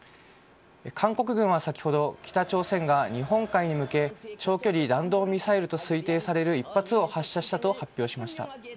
韓国軍は先ほど北朝鮮が日本海に向け長距離弾道ミサイルと推定される一発を発射したと発表しました。